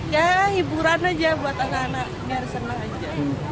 ya hiburan aja buat anak anak dari sana aja